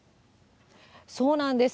そうなんです。